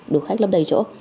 đủ khách lấp đầy chỗ